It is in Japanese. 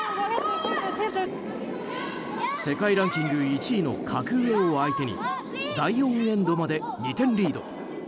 世界ランキング１位の格上を相手に第４エンドまで２点リード。